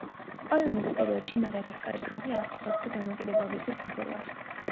კოლონიის პერიოდში მადაგასკარის ხალხი არ წყვეტდა დამოუკიდებლობისთვის ბრძოლას.